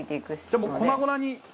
じゃあもう粉々に。